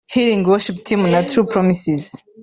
Healing worship team na True Promises